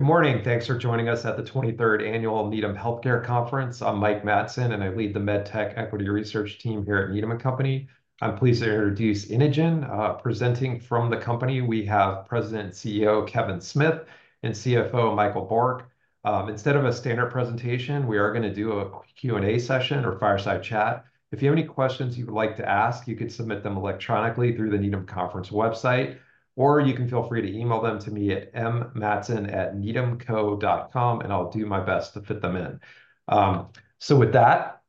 Good morning. Thanks for joining us at the 23rd Annual Needham Healthcare Conference. I'm Mike Matson, and I lead the MedTech Equity Research team here at Needham and Company. I'm pleased to introduce Inogen. Presenting from the company, we have President and CEO, Kevin Smith, and CFO, Michael Bourque. Instead of a standard presentation, we are gonna do a Q&A session or fireside chat. If you have any questions you would like to ask, you can submit them electronically through the Needham Conference website, or you can feel free to email them to me at mmatson@needhamco.com, and I'll do my best to fit them in. With that,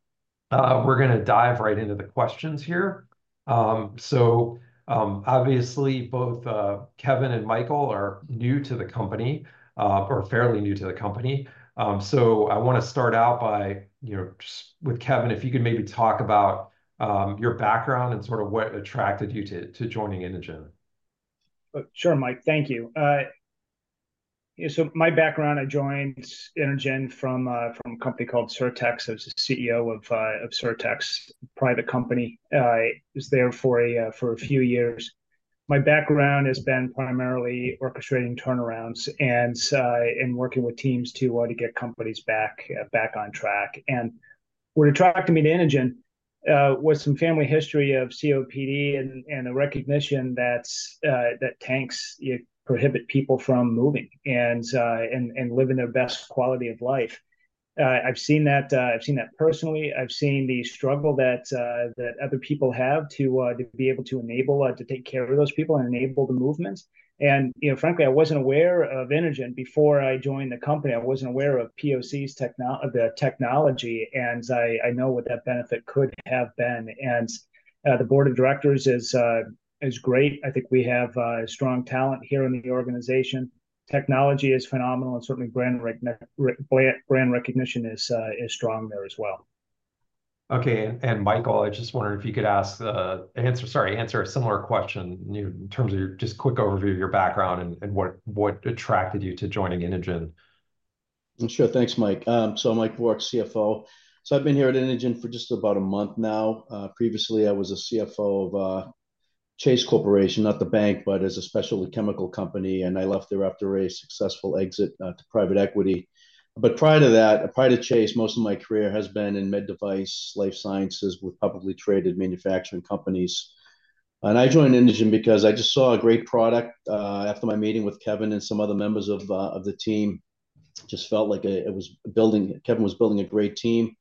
we're gonna dive right into the questions here. Obviously, both Kevin and Michael are new to the company, or fairly new to the company. So I wanna start out by, you know, just with Kevin, if you could maybe talk about your background and sort of what attracted you to joining Inogen. Sure, Mike. Thank you. Yeah, so my background, I joined Inogen from a company called Sirtex. I was the CEO of Sirtex private company. I was there for a few years. My background has been primarily orchestrating turnarounds and working with teams to get companies back on track. And what attracted me to Inogen was some family history of COPD and the recognition that tanks prohibit people from moving and living their best quality of life. I've seen that personally. I've seen the struggle that other people have to be able to enable to take care of those people and enable the movements. And, you know, frankly, I wasn't aware of Inogen before I joined the company. I wasn't aware of POCs technology, and I know what that benefit could have been. The board of directors is great. I think we have strong talent here in the organization. Technology is phenomenal, and certainly brand recognition is strong there as well. Okay, and Michael, I just wondered if you could answer a similar question, sorry, you know, in terms of your just quick overview of your background and what attracted you to joining Inogen. Sure. Thanks, Mike. So I'm Michael Bourque, CFO. I've been here at Inogen for just about a month now. Previously, I was a CFO of Chase Corporation, not the bank, but as a specialty chemical company, and I left there after a successful exit to private equity. But prior to that, prior to Chase, most of my career has been in med device, life sciences, with publicly traded manufacturing companies. And I joined Inogen because I just saw a great product after my meeting with Kevin and some other members of the team. Just felt like it was building. Kevin was building a great team.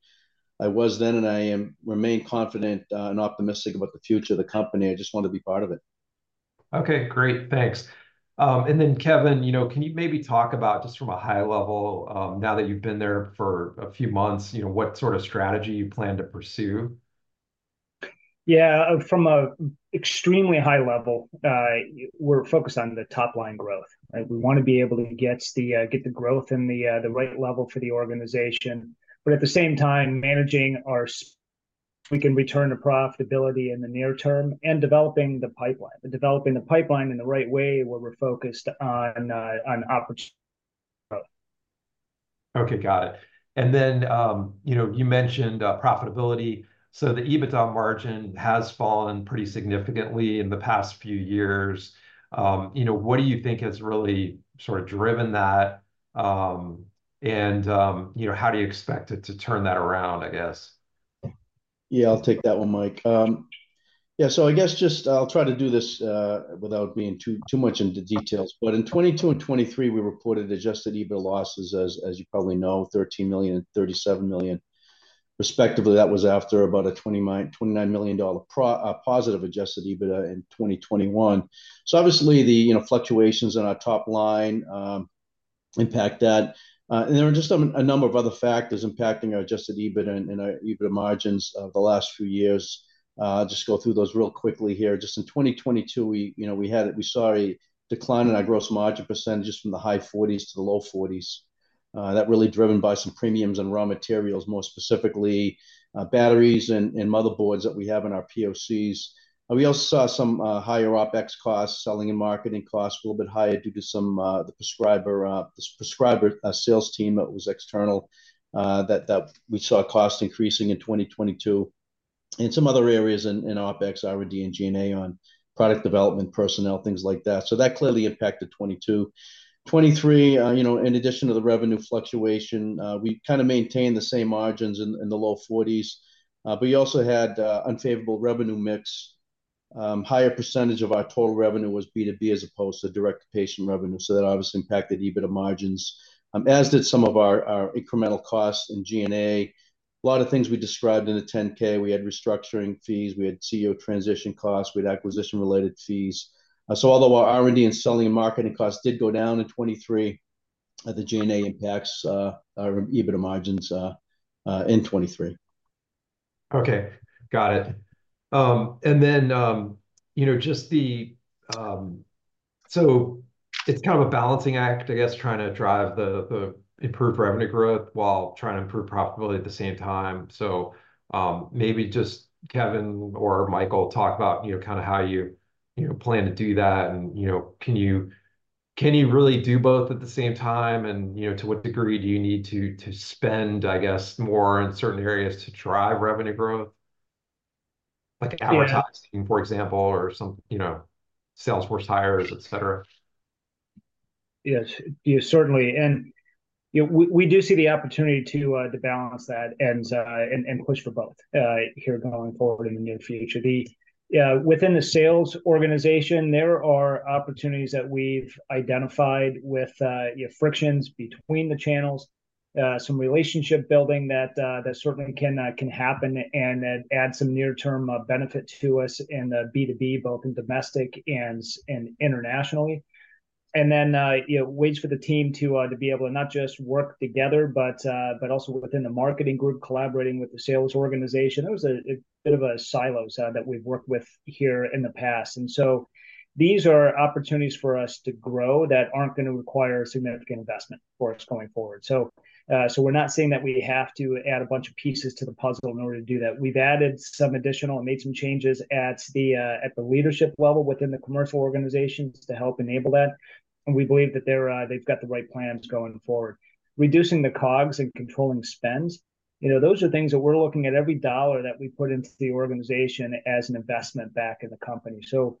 I was then, and I am, remain confident and optimistic about the future of the company. I just wanted to be part of it. Okay, great. Thanks. And then Kevin, you know, can you maybe talk about, just from a high level, now that you've been there for a few months, you know, what sort of strategy you plan to pursue? Yeah, from a extremely high level, we're focused on the top-line growth, right? We wanna be able to get the growth in the right level for the organization, but at the same time, managing our... We can return to profitability in the near term and developing the pipeline. And developing the pipeline in the right way, where we're focused on opportunity growth. Okay, got it. And then, you know, you mentioned profitability. So the EBITDA margin has fallen pretty significantly in the past few years. You know, what do you think has really sort of driven that, and, you know, how do you expect it to turn that around, I guess? Yeah, I'll take that one, Mike. Yeah, so I guess just, I'll try to do this without being too much into details. But in 2022 and 2023, we reported adjusted EBITDA losses, as you probably know, $13 million and $37 million, respectively. That was after about a $29 million positive adjusted EBITDA in 2021. So obviously, the, you know, fluctuations in our top line impact that. And there are just a number of other factors impacting our adjusted EBITDA and our EBITDA margins the last few years. Just go through those real quickly here. Just in 2022, we, you know, we had a... We saw a decline in our gross margin percentage from the high 40s to the low 40s. That really driven by some premiums in raw materials, more specifically, batteries and motherboards that we have in our POCs. And we also saw some higher OpEx costs, selling and marketing costs a little bit higher due to some the prescriber sales team that was external, that we saw costs increasing in 2022. In some other areas in OpEx, R&D, and G&A on product development, personnel, things like that. So that clearly impacted 2022. 2023, you know, in addition to the revenue fluctuation, we kind of maintained the same margins in the low 40s, but we also had unfavorable revenue mix. Higher percentage of our total revenue was B2B as opposed to direct-to-patient revenue, so that obviously impacted EBITDA margins, as did some of our our incremental costs in G&A. A lot of things we described in the 10-K. We had restructuring fees, we had CEO transition costs, we had acquisition-related fees. So although our R&D and selling and marketing costs did go down in 2023, the G&A impacts our EBITDA margins in 2023. Okay, got it. And then, you know, just the... So it's kind of a balancing act, I guess, trying to drive the improved revenue growth while trying to improve profitability at the same time. So, maybe just Kevin or Michael talk about, you know, kind of how you plan to do that and, you know, can you really do both at the same time? And, you know, to what degree do you need to spend, I guess, more in certain areas to drive revenue growth? Like advertising, for example, or some, you know, sales force hires, et cetera? Yes. Yeah, certainly, and, you know, we do see the opportunity to balance that, and push for both, here going forward in the near future. The within the sales organization, there are opportunities that we've identified with, you know, frictions between the channels, some relationship building that certainly can happen, and that add some near-term benefit to us in the B2B, both in domestic and internationally. And then, you know, ways for the team to be able to not just work together, but also within the marketing group, collaborating with the sales organization. There was a bit of a silos that we've worked with here in the past. These are opportunities for us to grow that aren't gonna require significant investment for us going forward. So, so we're not saying that we have to add a bunch of pieces to the puzzle in order to do that. We've added some additional and made some changes at the, at the leadership level within the commercial organizations to help enable that, and we believe that they're, they've got the right plans going forward. Reducing the COGS and controlling spends, you know, those are things that we're looking at every dollar that we put into the organization as an investment back in the company. So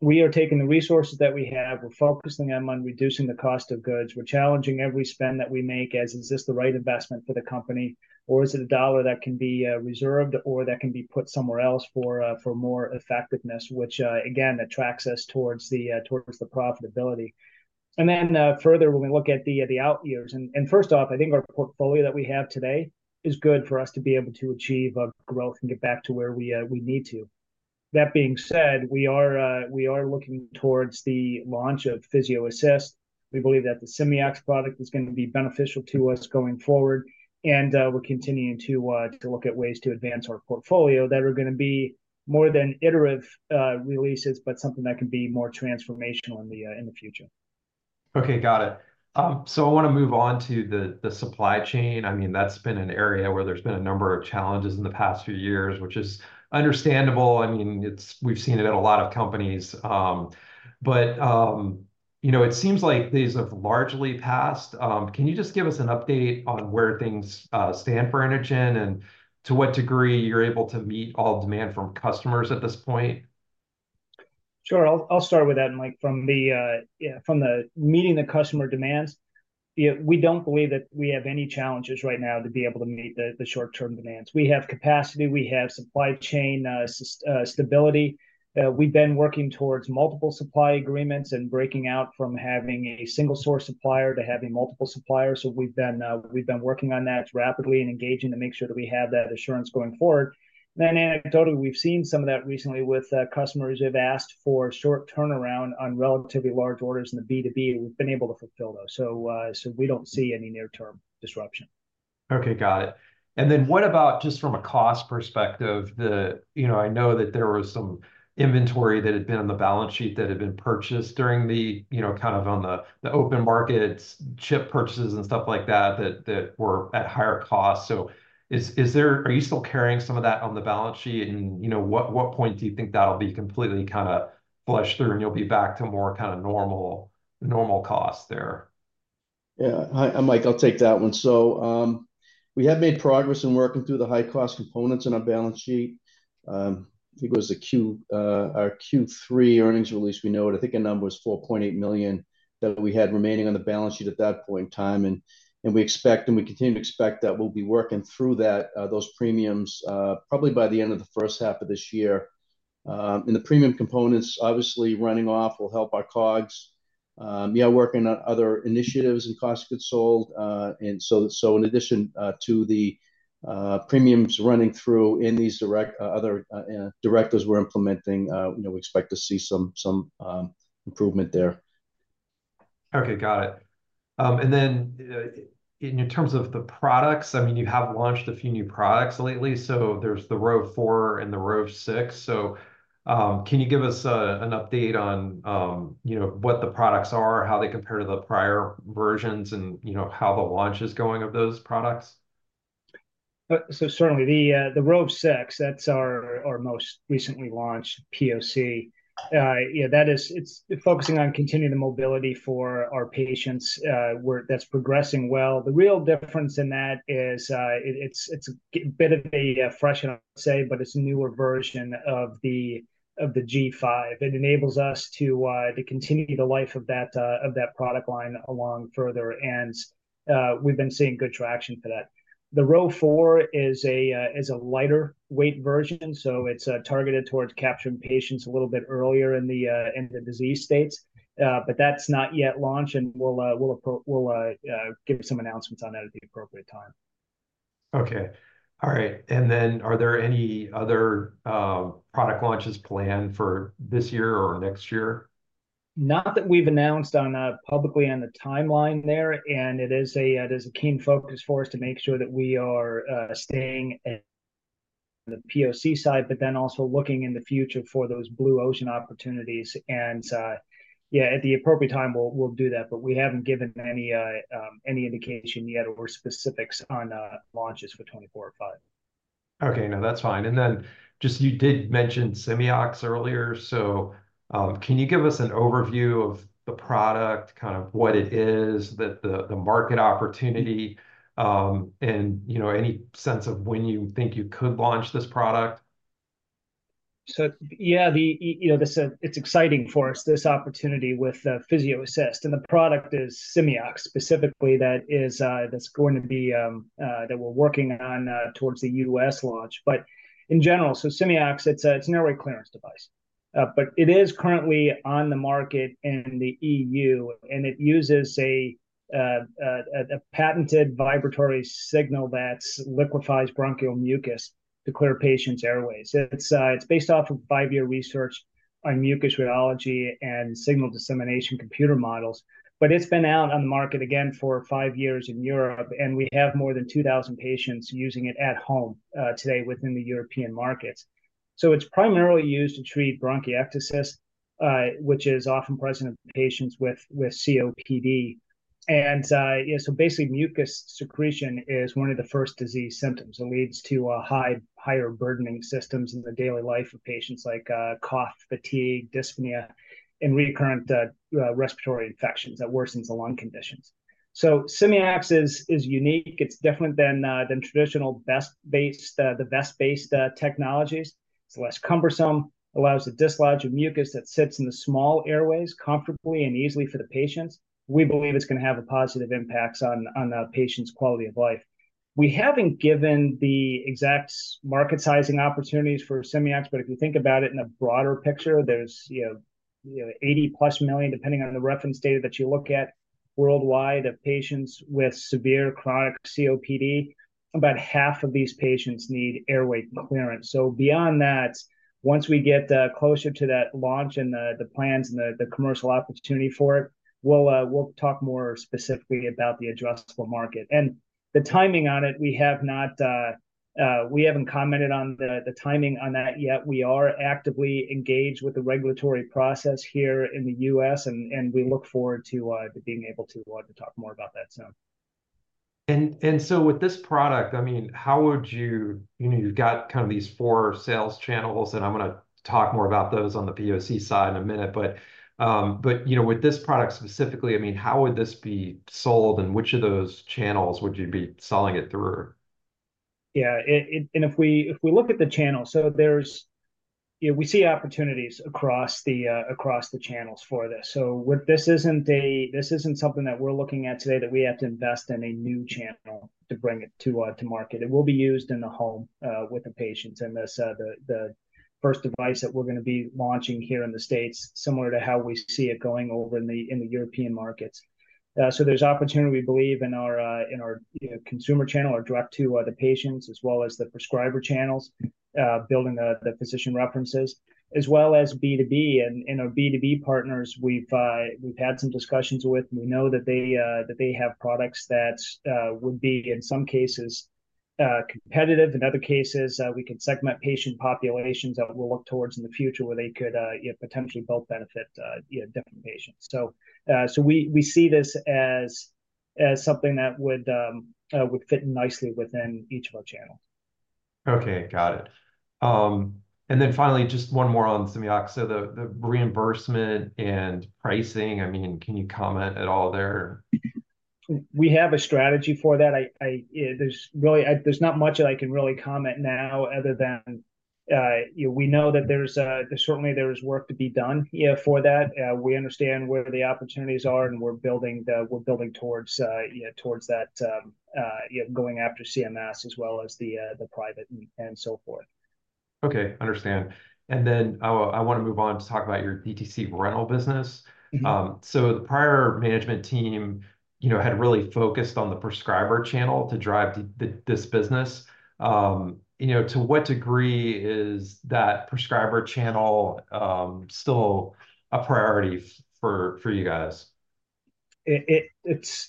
we are taking the resources that we have. We're focusing on reducing the cost of goods. We're challenging every spend that we make as, is this the right investment for the company, or is it a dollar that can be reserved or that can be put somewhere else for more effectiveness, which again attracts us towards the profitability. Then, further, when we look at the out years. First off, I think our portfolio that we have today is good for us to be able to achieve a growth and get back to where we need to. That being said, we are looking towards the launch of PhysioAssist. We believe that the Simeox product is gonna be beneficial to us going forward, and we're continuing to look at ways to advance our portfolio that are gonna be more than iterative releases, but something that can be more transformational in the future. Okay, got it. So I wanna move on to the supply chain. I mean, that's been an area where there's been a number of challenges in the past few years, which is understandable. I mean, it's... We've seen it at a lot of companies. But you know, it seems like these have largely passed. Can you just give us an update on where things stand for Inogen, and to what degree you're able to meet all demand from customers at this point? Sure. I'll start with that, and, Mike, from meeting the customer demands, yeah, we don't believe that we have any challenges right now to be able to meet the short-term demands. We have capacity. We have supply chain stability. We've been working towards multiple supply agreements and breaking out from having a single-source supplier to having multiple suppliers, so we've been working on that rapidly and engaging to make sure that we have that assurance going forward. Then anecdotally, we've seen some of that recently with customers who've asked for short turnaround on relatively large orders in the B2B, and we've been able to fulfill those. So, so we don't see any near-term disruption. Okay, got it. And then what about just from a cost perspective, the... You know, I know that there was some inventory that had been on the balance sheet that had been purchased during the, you know, kind of on the, the open markets, chip purchases, and stuff like that, that, that were at higher cost. So is, is there- are you still carrying some of that on the balance sheet? And, you know, what, what point do you think that'll be completely kinda flushed through, and you'll be back to more kind of normal, normal cost there? Yeah. Hi, I'm Mike, I'll take that one. So, we have made progress in working through the high-cost components on our balance sheet. I think it was our Q3 earnings release. We know it. I think a number was $4.8 million that we had remaining on the balance sheet at that point in time, and we expect, and we continue to expect, that we'll be working through that, those premiums, probably by the end of the first half of this year. And the premium components, obviously, running off will help our COGS. Yeah, working on other initiatives and cost of goods sold. And so in addition to the premiums running off and these direct other cost initiatives we're implementing, you know, we expect to see some improvement there. Okay, got it. And then, in terms of the products, I mean, you have launched a few new products lately, so there's the Rove 4 and the Rove 6. So, can you give us an update on, you know, what the products are, how they compare to the prior versions, and, you know, how the launch is going of those products? So certainly, the Rove 6, that's our most recently launched POC. Yeah, that is... It's focusing on continuing the mobility for our patients, where that's progressing well. The real difference in that is, it's a bit of a fresh, I'll say, but it's a newer version of the G5. It enables us to continue the life of that product line along further, and we've been seeing good traction for that. The Rove 4 is a lighter-weight version, so it's targeted towards capturing patients a little bit earlier in the disease states. But that's not yet launched, and we'll give some announcements on that at the appropriate time. Okay. All right, and then are there any other, product launches planned for this year or next year? Not that we've announced on publicly on the timeline there, and it is a keen focus for us to make sure that we are staying at the POC side, but then also looking in the future for those blue ocean opportunities. And yeah, at the appropriate time, we'll do that, but we haven't given any indication yet or specifics on launches for 2024 or 2025. Okay. No, that's fine. And then just you did mention Simeox earlier, so, can you give us an overview of the product, kind of what it is, the market opportunity, and, you know, any sense of when you think you could launch this product? So yeah, you know, this is exciting for us, this opportunity with PhysioAssist, and the product is Simeox. Specifically, that is, that's going to be that we're working on towards the U.S. launch. But in general, so Simeox, it's a, it's an airway clearance device, but it is currently on the market in the EU, and it uses a, a patented vibratory signal that liquefies bronchial mucus to clear patients' airways. It's, it's based off of five-year research on mucus rheology and signal dissemination computer models, but it's been out on the market again for five years in Europe, and we have more than 2,000 patients using it at home, today within the European markets. So it's primarily used to treat bronchiectasis, which is often present in patients with COPD. Yeah, so basically, mucus secretion is one of the first disease symptoms, and leads to a higher burdening systems in the daily life of patients like cough, fatigue, dyspnea, and recurrent respiratory infections that worsens the lung conditions. So Simeox is unique. It's different than traditional vest-based technologies. It's less cumbersome, allows the dislodging of mucus that sits in the small airways comfortably and easily for the patients. We believe it's gonna have a positive impacts on the patient's quality of life. We haven't given the exact market sizing opportunities for Simeox, but if you think about it in a broader picture, there's, you know, 80+ million, depending on the reference data that you look at worldwide, of patients with severe chronic COPD. About half of these patients need airway clearance. So beyond that, once we get closer to that launch and the plans and the commercial opportunity for it, we'll talk more specifically about the addressable market. The timing on it, we haven't commented on the timing on that yet. We are actively engaged with the regulatory process here in the U.S., and we look forward to being able to talk more about that soon. So with this product, I mean, how would you, you know, you've got kind of these four sales channels, and I'm gonna talk more about those on the POC side in a minute, but you know, with this product specifically, I mean, how would this be sold, and which of those channels would you be selling it through? Yeah, and if we look at the channel, so there's, you know, we see opportunities across the channels for this. So this isn't something that we're looking at today, that we have to invest in a new channel to bring it to market. It will be used in the home with the patients, and the first device that we're gonna be launching here in the States, similar to how we see it going over in the European markets. So there's opportunity, we believe, in our, you know, consumer channel or direct to the patients as well as the prescriber channels, building the physician references, as well as B2B. And our B2B partners, we've had some discussions with, and we know that they have products that would be, in some cases, competitive. In other cases, we could segment patient populations that we'll work towards in the future, where they could, you know, potentially both benefit, yeah, different patients. So we see this as something that would fit nicely within each of our channels. Okay, got it. And then finally, just one more on Simeox. So the reimbursement and pricing, I mean, can you comment at all there? We have a strategy for that. Yeah, there's really not much that I can really comment now, other than, you know, we know that there's certainly work to be done, yeah, for that. We understand where the opportunities are, and we're building towards, yeah, towards that, yeah, going after CMS as well as the private and so forth. Okay, understand. And then I want to move on to talk about your DTC rental business. Mm-hmm. So the prior management team, you know, had really focused on the prescriber channel to drive this business. You know, to what degree is that prescriber channel still a priority for you guys? It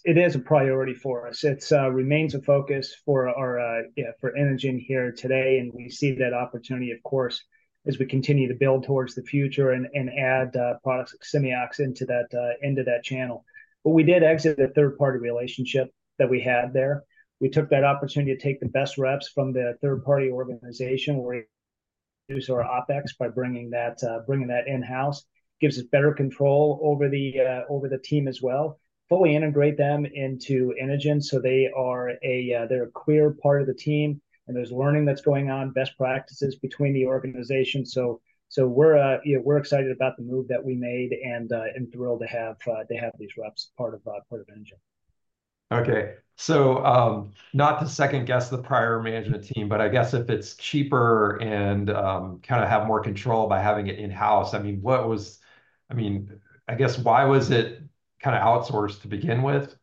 is a priority for us. It remains a focus for our, yeah, for Inogen here today, and we see that opportunity, of course, as we continue to build towards the future and add products, Simeox into that channel. But we did exit the third-party relationship that we had there. We took that opportunity to take the best reps from the third-party organization, where we reduce our OpEx by bringing that in-house. Gives us better control over the team as well, fully integrate them into Inogen, so they're a clear part of the team, and there's learning that's going on, best practices between the organization. So, we're excited about the move that we made and thrilled to have these reps part of Inogen. Okay. So, not to second-guess the prior management team, but I guess if it's cheaper and, kind of have more control by having it in-house, I mean, what was... I mean, I guess why was it kind of outsourced to begin with?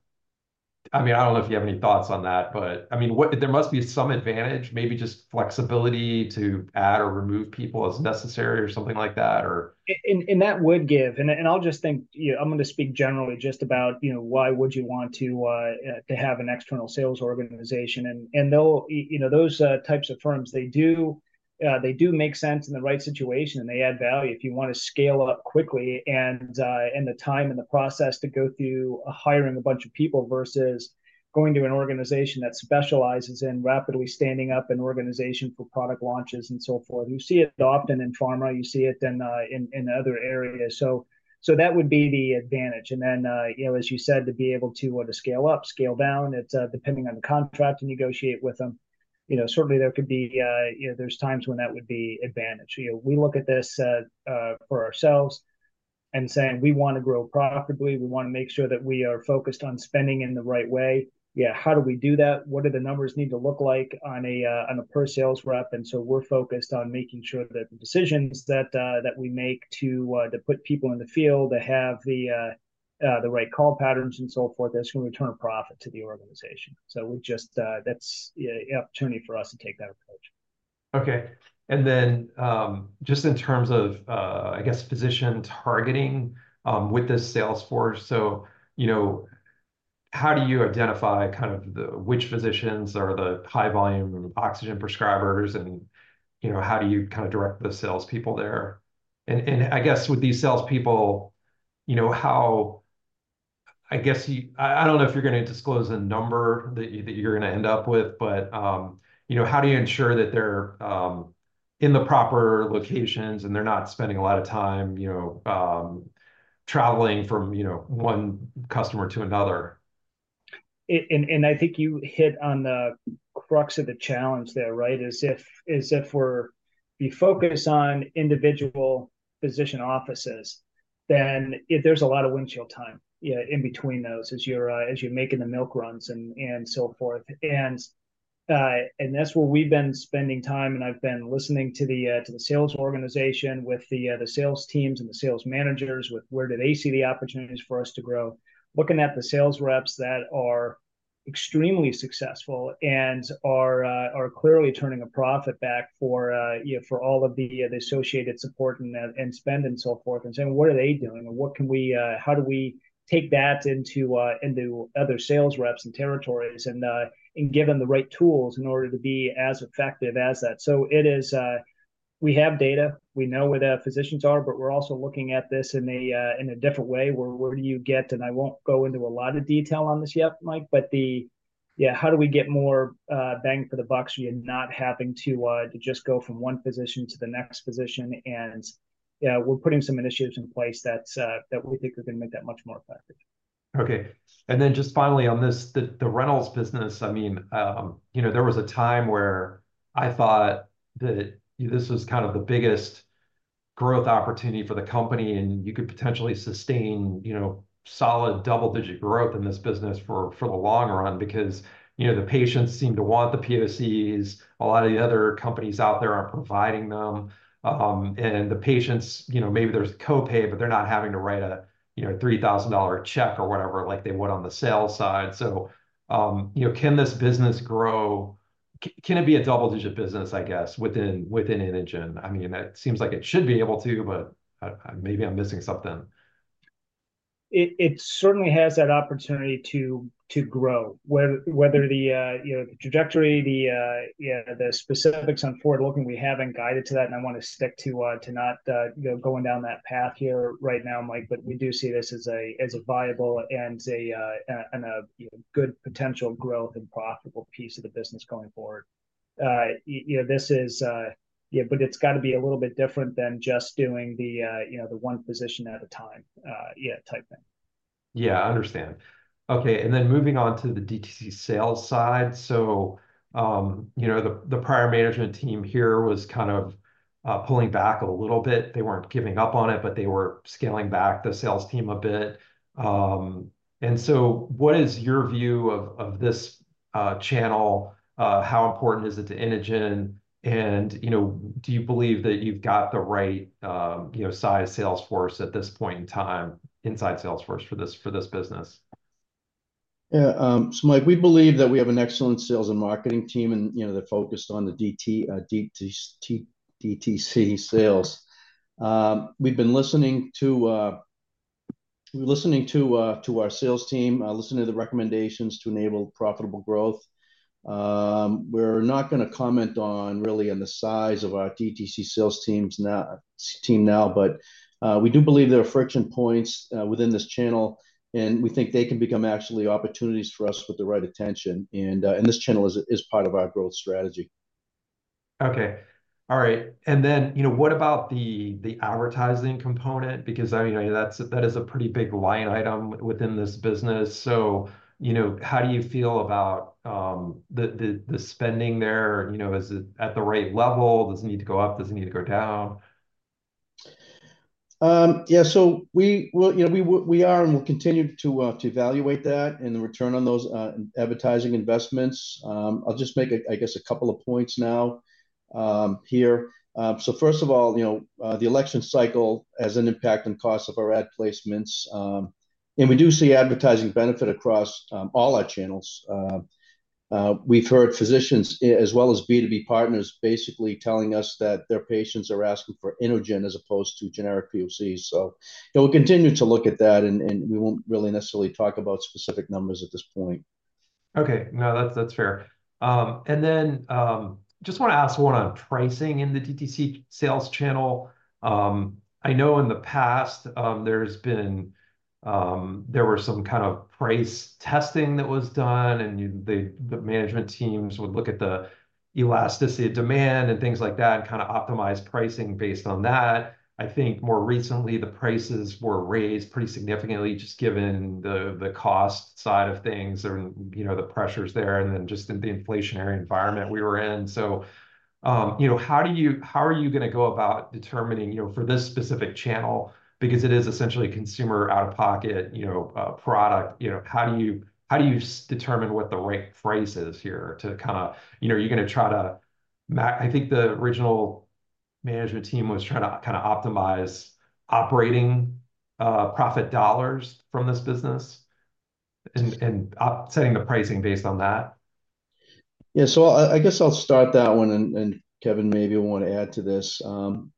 I mean, I don't know if you have any thoughts on that, but, I mean, there must be some advantage, maybe just flexibility to add or remove people as necessary or something like that, or- You know, I'm going to speak generally just about, you know, why would you want to have an external sales organization? You know, those types of firms, they do make sense in the right situation, and they add value if you want to scale up quickly and the time and the process to go through hiring a bunch of people versus going to an organization that specializes in rapidly standing up an organization for product launches and so forth. You see it often in pharma, you see it in other areas. That would be the advantage. And then, you know, as you said, to be able to, to scale up, scale down, it's, depending on the contract you negotiate with them. You know, certainly there could be, you know, there's times when that would be advantage. You know, we look at this, for ourselves and saying, "We want to grow profitably. We want to make sure that we are focused on spending in the right way." Yeah, how do we do that? What do the numbers need to look like on a, on a per sales rep? And so we're focused on making sure that the decisions that, that we make to, to put people in the field, to have the, the right call patterns and so forth, that's going to return a profit to the organization. So we just, that's, yeah, an opportunity for us to take that approach. Okay. And then, just in terms of, I guess, physician targeting, with the sales force, so, you know, how do you identify kind of the, which physicians are the high volume oxygen prescribers and, you know, how do you kind of direct the salespeople there? And, I guess with these salespeople, you know, how I don't know if you're going to disclose a number that you're going to end up with, but, you know, how do you ensure that they're in the proper locations, and they're not spending a lot of time, you know, traveling from one customer to another? I think you hit on the crux of the challenge there, right? If we focus on individual physician offices, then there's a lot of windshield time, yeah, in between those, as you're making the milk runs and so forth. And that's where we've been spending time, and I've been listening to the sales organization with the sales teams and the sales managers, with where do they see the opportunities for us to grow. Looking at the sales reps that are extremely successful and are clearly turning a profit back for, you know, for all of the associated support and spend and so forth, and saying, "What are they doing? And what can we—how do we take that into other sales reps and territories, and give them the right tools in order to be as effective as that?" So it is, we have data, we know where the physicians are, but we're also looking at this in a different way, where do you get... And I won't go into a lot of detail on this yet, Mike, but yeah, how do we get more bang for the buck, and not having to just go from one physician to the next physician? And yeah, we're putting some initiatives in place that we think are going to make that much more effective. Okay. And then just finally on this, the rentals business, I mean, you know, there was a time where I thought that this was kind of the biggest growth opportunity for the company, and you could potentially sustain, you know, solid double-digit growth in this business for the long run. Because, you know, the patients seem to want the POCs, a lot of the other companies out there are providing them. And the patients, you know, maybe there's a co-pay, but they're not having to write a, you know, $3,000 check or whatever, like they would on the sales side. So, you know, can this business grow, can it be a double-digit business, I guess, within Inogen? I mean, it seems like it should be able to, but maybe I'm missing something. It certainly has that opportunity to grow, whether the trajectory, yeah, the specifics on forward-looking. We haven't guided to that, and I want to stick to not going down that path here right now, Mike. But we do see this as a viable and, you know, good potential growth and profitable piece of the business going forward. You know, this is... Yeah, but it's got to be a little bit different than just doing the, you know, the one physician at a time, yeah, type thing. Yeah, I understand. Okay, and then moving on to the DTC sales side. So, you know, the prior management team here was kind of pulling back a little bit. They weren't giving up on it, but they were scaling back the sales team a bit. And so what is your view of this channel? How important is it to Inogen? And, you know, do you believe that you've got the right, you know, size sales force at this point in time, inside sales force for this business? Yeah, so Mike, we believe that we have an excellent sales and marketing team, and, you know, they're focused on the DTC sales. We've been listening to, we're listening to our sales team, listening to the recommendations to enable profitable growth. We're not gonna comment on really on the size of our DTC sales team now, but we do believe there are friction points within this channel, and we think they can become actually opportunities for us with the right attention. And this channel is part of our growth strategy. Okay. All right. And then, you know, what about the advertising component? Because, I know, that's, that is a pretty big line item within this business. So, you know, how do you feel about the spending there? You know, is it at the right level? Does it need to go up? Does it need to go down? Yeah, so we... Well, you know, we are and we'll continue to evaluate that and the return on those advertising investments. I'll just make a, I guess, a couple of points now, here. So first of all, you know, the election cycle has an impact on the cost of our ad placements, and we do see advertising benefit across all our channels. We've heard physicians, as well as B2B partners, basically telling us that their patients are asking for Inogen as opposed to generic POC. So yeah, we'll continue to look at that, and we won't really necessarily talk about specific numbers at this point. Okay. No, that's, that's fair. And then, just want to ask one on pricing in the DTC sales channel. I know in the past, there's been, there were some kind of price testing that was done, and you, the, the management teams would look at the elasticity of demand and things like that, and kind of optimize pricing based on that. I think more recently, the prices were raised pretty significantly, just given the, the cost-side of things and, you know, the pressures there, and then just in the inflationary environment we were in. So, you know, how do you- how are you gonna go about determining, you know, for this specific channel, because it is essentially consumer out-of-pocket, you know, product, you know, how do you, how do you determine what the right price is here to kind of... You know, I think the original management team was trying to kind of optimize operating profit dollars from this business, and upsetting the pricing based on that. Yeah, so I guess I'll start that one, and Kevin maybe will want to add to this.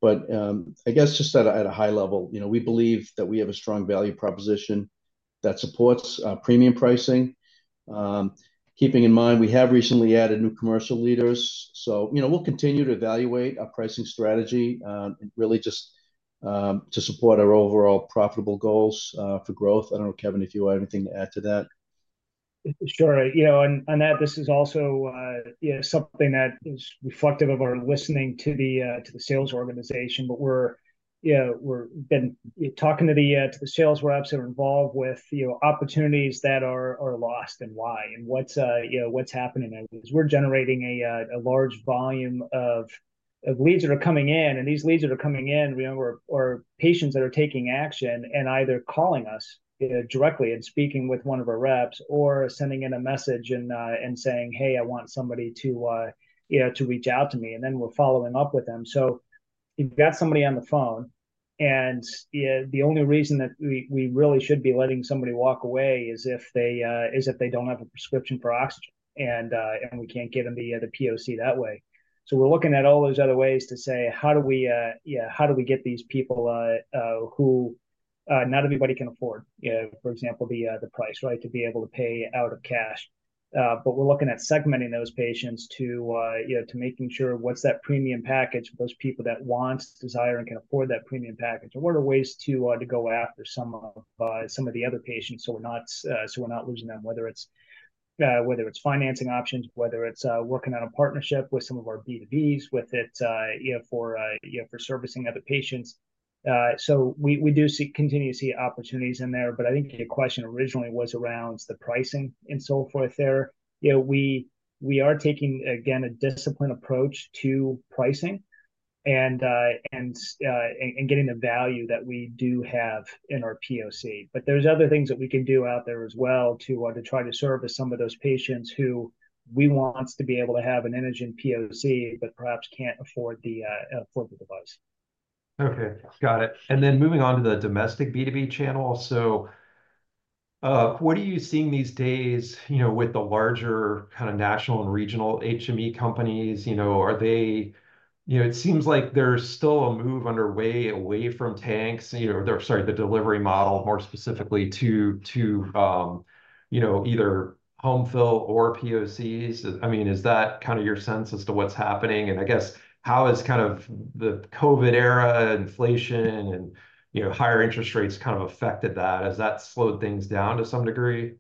But I guess just at a high level, you know, we believe that we have a strong value proposition that supports premium pricing. Keeping in mind, we have recently added new commercial leaders. So, you know, we'll continue to evaluate our pricing strategy, really just to support our overall profitable goals for growth. I don't know, Kevin, if you have anything to add to that. Sure. You know, and, and that this is also, you know, something that is reflective of our listening to the, to the sales organization. But we're, yeah, we're been, talking to the, to the sales reps that are involved with, you know, opportunities that are, are lost and why, and what's, you know, what's happening. And we're generating a, a large volume of, of leads that are coming in, and these leads that are coming in, we know are, are patients that are taking action and either calling us, directly and speaking with one of our reps, or sending in a message and, and saying, "Hey, I want somebody to, you know, to reach out to me," and then we're following up with them. So we've got somebody on the phone, and yeah, the only reason that we really should be letting somebody walk away is if they don't have a prescription for oxygen, and we can't get them the POC that way. So we're looking at all those other ways to say, how do we get these people who not everybody can afford, for example, the price, right? To be able to pay out of cash. But we're looking at segmenting those patients to, you know, to making sure what's that premium package for those people that want, desire, and can afford that premium package, and what are ways to, to go after some of, some of the other patients so we're not, so we're not losing them, whether it's, whether it's financing options, whether it's, working on a partnership with some of our B2Bs, with it, you know, for, you know, for servicing other patients. So we, we do see, continue to see opportunities in there, but I think the question originally was around the pricing and so forth there. You know, we, we are taking, again, a disciplined approach to pricing and, and getting the value that we do have in our POC. But there's other things that we can do out there as well to try to service some of those patients who we want to be able to have an Inogen POC, but perhaps can't afford the device. Okay, got it. And then moving on to the domestic B2B channel. So, what are you seeing these days, you know, with the larger kind of national and regional HME companies? You know, are they... You know, it seems like there's still a move underway, away from tanks, you know, or, sorry, the delivery model, more specifically, to you know, either home fill or POCs. I mean, is that kind of your sense as to what's happening? And I guess, how has kind of the COVID era, inflation, and, you know, higher interest rates kind of affected that? Has that slowed things down to some degree?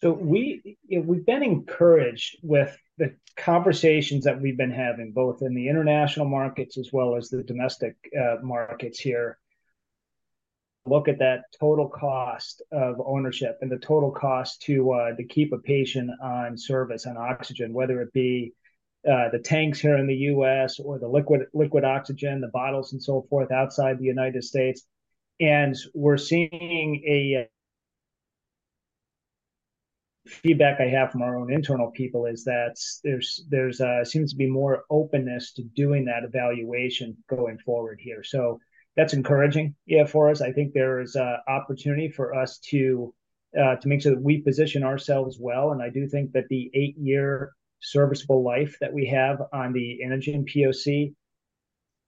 So we, you know, we've been encouraged with the conversations that we've been having, both in the international markets as well as the domestic markets here. Look at that total cost of ownership and the total cost to keep a patient on service and oxygen, whether it be the tanks here in the U.S. or the liquid oxygen, the bottles and so forth, outside the United States. And we're seeing the feedback I have from our own internal people is that there seems to be more openness to doing that evaluation going forward here. So that's encouraging, yeah, for us. I think there is an opportunity for us to make sure that we position ourselves well, and I do think that the eight-year serviceable life that we have on the Inogen POC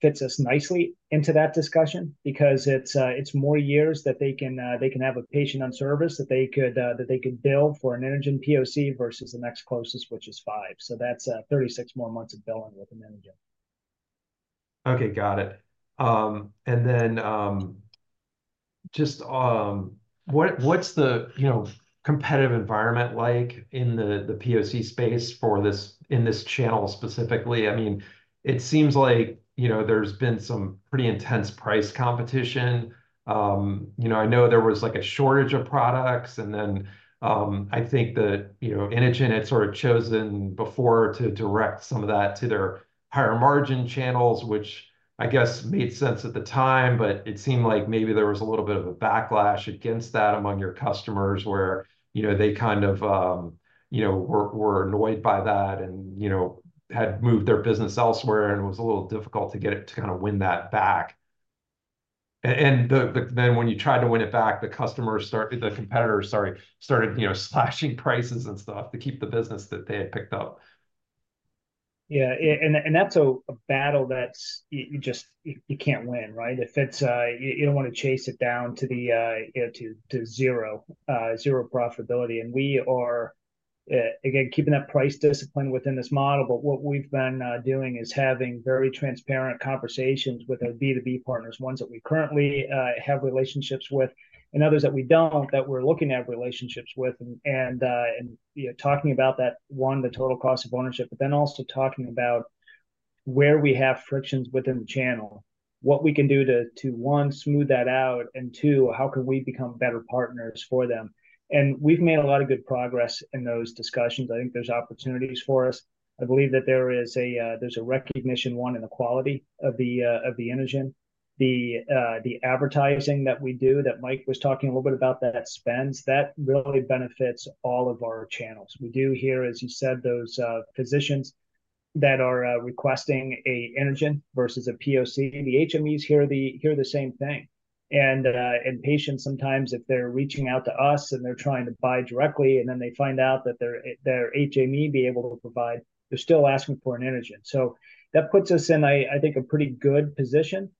fits us nicely into that discussion. Because it's more years that they can have a patient on service, that they could bill for an Inogen POC versus the next closest, which is five. So that's 36 more months of billing with an Inogen. Okay, got it. And then, just, what, what's the, you know, competitive environment like in the POC space in this channel specifically? I mean, it seems like, you know, there's been some pretty intense price competition. You know, I know there was, like, a shortage of products, and then, I think that, you know, Inogen had sort of chosen before to direct some of that to their higher margin channels, which I guess made sense at the time, but it seemed like maybe there was a little bit of a backlash against that among your customers, where, you know, they kind of, you know, were annoyed by that and, you know, had moved their business elsewhere, and it was a little difficult to get it, to kind of win that back. And the, the... Then when you tried to win it back, the competitors, sorry, started, you know, slashing prices and stuff to keep the business that they had picked up. Yeah, and that's a battle that's you just can't win, right? If it's, you don't want to chase it down to the, you know, to zero profitability. And we are again keeping that price discipline within this model, but what we've been doing is having very transparent conversations with our B2B partners, ones that we currently have relationships with and others that we don't, that we're looking at relationships with. And, you know, talking about that, one, the total cost of ownership, but then also talking about where we have frictions within the channel, what we can do to one, smooth that out, and two, how can we become better partners for them? And we've made a lot of good progress in those discussions. I think there's opportunities for us. I believe that there is a, there's a recognition in the quality of the Inogen. The advertising that we do, that Mike was talking a little bit about, that spends, that really benefits all of our channels. We do hear, as you said, those physicians that are requesting an Inogen versus a POC, and the HMEs hear the same thing. And patients sometimes, if they're reaching out to us and they're trying to buy directly, and then they find out that their HME would be able to provide, they're still asking for an Inogen. So that puts us in, I think, a pretty good position,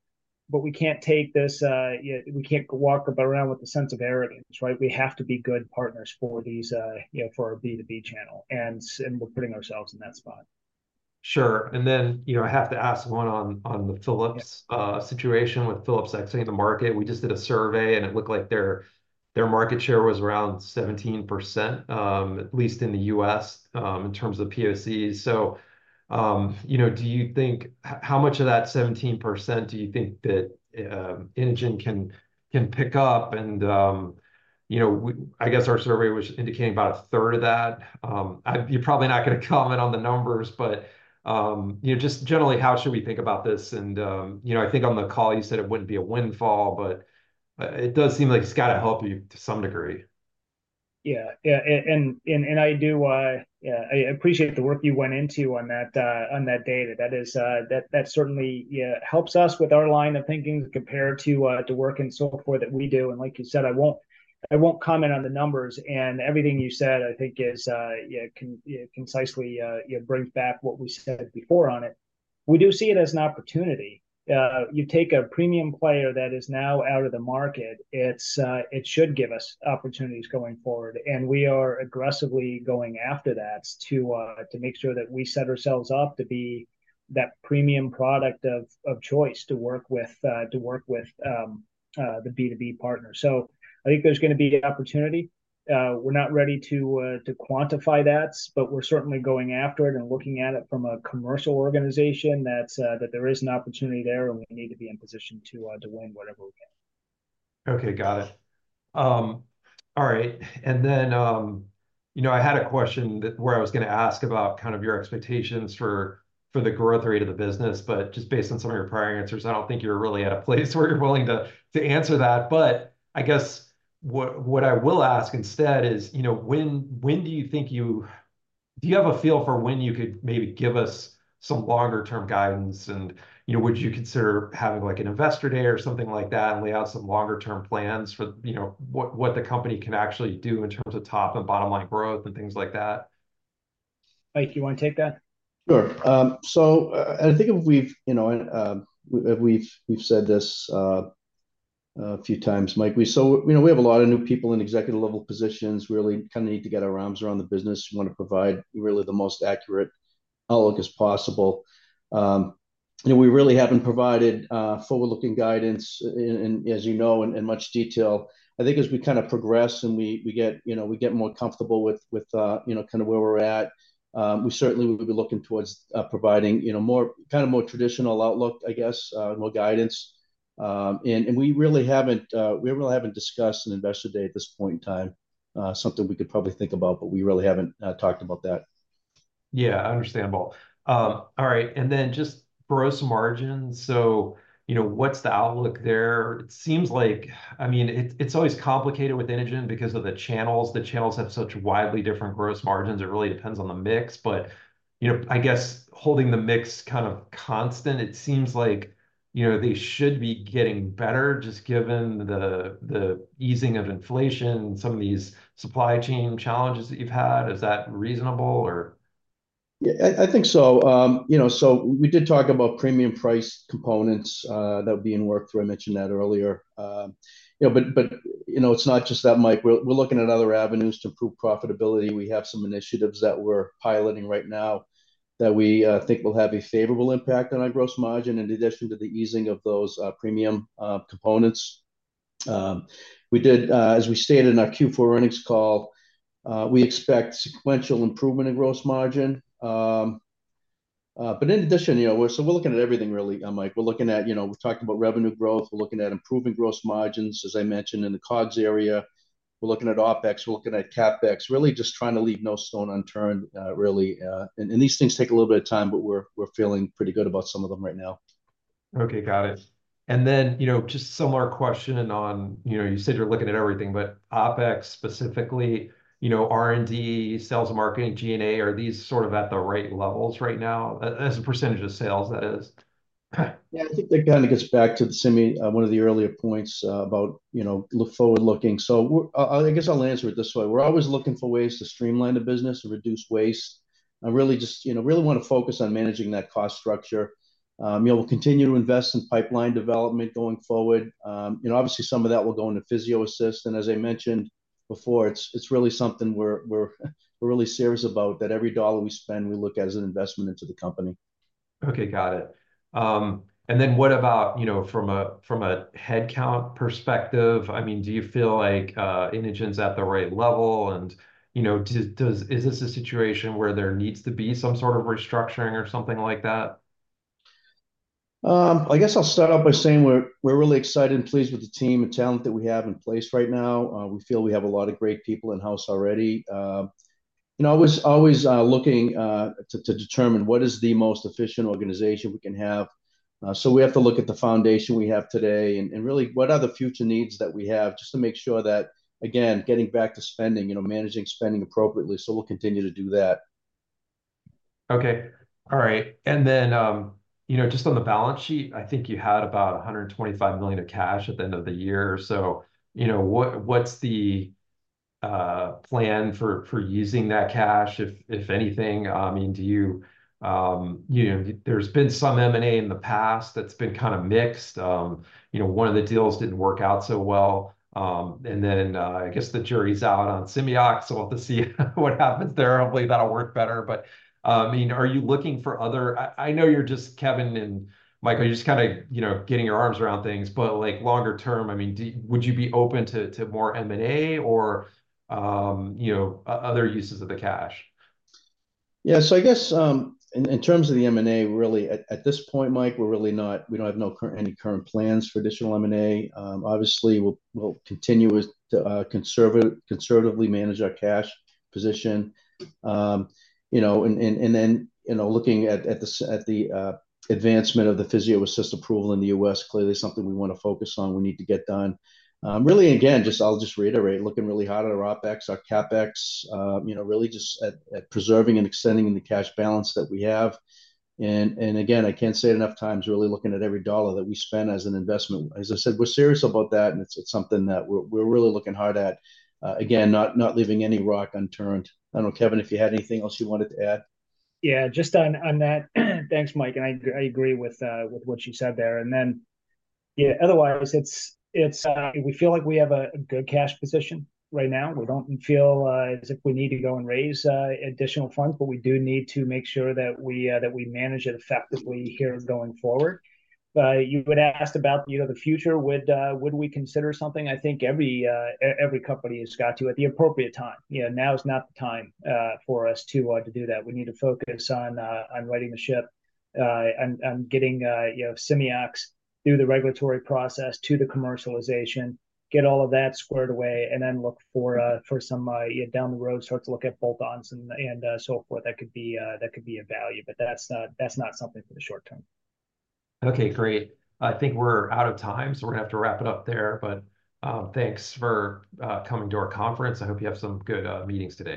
but we can't take this, we can't walk around with a sense of arrogance, right? We have to be good partners for these, you know, for our B2B channel, and, and we're putting ourselves in that spot. Sure. And then, you know, I have to ask one on, on the Philips situation, with Philips exiting the market. We just did a survey, and it looked like their, their market share was around 17%, at least in the U.S., in terms of POC. So, you know, do you think... How much of that 17% do you think that, Inogen can, can pick up and, you know, I guess our survey was indicating about a 1/3 of that. You're probably not gonna comment on the numbers, but, you know, just generally, how should we think about this? And, you know, I think on the call, you said it wouldn't be a windfall, but, it does seem like it's got to help you to some degree. Yeah. Yeah, I do. Yeah, I appreciate the work you went into on that data. That is certainly, yeah, helps us with our line of thinking compared to the work and so forth that we do. And like you said, I won't comment on the numbers, and everything you said, I think, is, yeah, concisely, you know, brings back what we said before on it. We do see it as an opportunity. You take a premium player that is now out of the market, it should give us opportunities going forward, and we are aggressively going after that to make sure that we set ourselves up to be that premium product of choice to work with the B2B partner. So I think there's gonna be an opportunity. We're not ready to, to quantify that, but we're certainly going after it and looking at it from a commercial organization, that, that there is an opportunity there, and we need to be in position to, to win whatever we can. Okay, got it. All right, and then, you know, I had a question that, where I was gonna ask about kind of your expectations for, for the growth rate of the business, but just based on some of your prior answers, I don't think you're really at a place where you're willing to, to answer that. But I guess what, what I will ask instead is, you know, when, when do you think you... Do you have a feel for when you could maybe give us some longer-term guidance? And, you know, would you consider having, like, an investor day or something like that, and lay out some longer-term plans for, you know, what, what the company can actually do in terms of top and bottom-line growth and things like that? Mike, you wanna take that? Sure. So, I think we've, you know, and we've said this a few times, Mike. So, you know, we have a lot of new people in executive-level positions. We really kind of need to get our arms around the business. We wanna provide really the most accurate outlook as possible. And we really haven't provided forward-looking guidance, and as you know, in much detail. I think as we kind of progress and we get, you know, we get more comfortable with you know, kind of where we're at, we certainly will be looking towards providing, you know, more, kind of more traditional outlook, I guess, more guidance. And we really haven't discussed an investor day at this point in time. Something we could probably think about, but we really haven't talked about that. Yeah, understandable. All right, and then just gross margins. So, you know, what's the outlook there? It seems like... I mean, it, it's always complicated with Inogen because of the channels. The channels have such widely different gross margins. It really depends on the mix. But, you know, I guess holding the mix kind of constant, it seems like, you know, they should be getting better, just given the easing of inflation and some of these supply chain challenges that you've had. Is that reasonable or? Yeah, I think so. You know, so we did talk about premium price components that were being worked through. I mentioned that earlier. You know, but it's not just that, Mike. We're looking at other avenues to improve profitability. We have some initiatives that we're piloting right now, that we think will have a favorable impact on our gross margin, in addition to the easing of those premium components. We did, as we stated in our Q4 earnings call, we expect sequential improvement in gross margin. But in addition, you know, so we're looking at everything really, Mike. We're looking at, you know, we talked about revenue growth. We're looking at improving gross margins, as I mentioned, in the COGS area. We're looking at OpEx, we're looking at CapEx. Really just trying to leave no stone unturned, really, and these things take a little bit of time, but we're feeling pretty good about some of them right now. Okay, got it. And then, you know, just similar question on, you know, you said you're looking at everything, but OpEx specifically, you know, R&D, sales, marketing, G&A, are these sort of at the right levels right now, as a percentage of sales, that is? Yeah, I think that kind of gets back to the semi, one of the earlier points, about, you know, forward-looking. So, I, I guess I'll answer it this way: We're always looking for ways to streamline the business and reduce waste, and really just, you know, really wanna focus on managing that cost structure. You know, we'll continue to invest in pipeline development going forward. You know, obviously, some of that will go into PhysioAssist, and as I mentioned before, it's really something we're really serious about, that every dollar we spend, we look at as an investment into the company. Okay, got it. And then what about, you know, from a headcount perspective? I mean, do you feel like Inogen's at the right level, and, you know, is this a situation where there needs to be some sort of restructuring or something like that? I guess I'll start off by saying we're really excited and pleased with the team and talent that we have in place right now. We feel we have a lot of great people in-house already. And always looking to determine what is the most efficient organization we can have. So we have to look at the foundation we have today, and really what are the future needs that we have, just to make sure that, again, getting back to spending, you know, managing spending appropriately, so we'll continue to do that. Okay. All right. And then, you know, just on the balance sheet, I think you had about $125 million of cash at the end of the year. So, you know, what's the plan for using that cash, if anything? I mean, do you... you know, there's been some M&A in the past that's been kind of mixed. You know, one of the deals didn't work out so well. And then, I guess the jury's out on Simeox, so we'll have to see what happens there. Hopefully, that'll work better. But, I mean, are you looking for other... I know you're just, Kevin and Mike, are just kind of, you know, getting your arms around things, but, like, longer term, I mean, would you be open to more M&A or, you know, other uses of the cash? Yeah. So I guess, in terms of the M&A, really, at this point, Mike, we're really not—we don't have no current... any current plans for additional M&A. Obviously, we'll continue with, conservatively manage our cash position. You know, and, and, and then, you know, looking at, at the advancement of the PhysioAssist approval in the U.S., clearly something we want to focus on, we need to get done. Really, again, just I'll just reiterate, looking really hard at our OPEX, our CapEx, you know, really just at preserving and extending the cash balance that we have. And, again, I can't say it enough times, really looking at every dollar that we spend as an investment. As I said, we're serious about that, and it's something that we're really looking hard at. Again, not leaving any rock unturned. I don't know, Kevin, if you had anything else you wanted to add? Yeah, just on that, thanks, Mike, and I agree with what you said there. And then, yeah, otherwise, it's we feel like we have a good cash position right now. We don't feel as if we need to go and raise additional funds, but we do need to make sure that we manage it effectively here going forward. You had asked about, you know, the future. Would we consider something? I think every company has got to at the appropriate time. You know, now is not the time for us to do that. We need to focus on righting the ship and getting, you know, Simeox through the regulatory process to the commercialization, get all of that squared away, and then look for some down the road, start to look at bolt-ons and so forth. That could be a value, but that's not something for the short term. Okay, great. I think we're out of time, so we're going to have to wrap it up there. But thanks for coming to our conference. I hope you have some good meetings today.